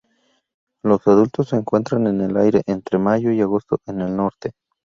Los adultos se encuentran en el aire entre mayo y agosto en el norte.